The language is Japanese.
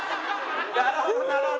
なるほどなるほど。